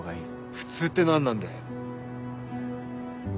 普通って何なんだよ。